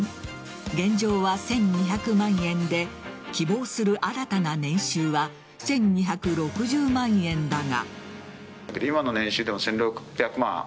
現状は１２００万円で希望する新たな年収は１２６０万円だが。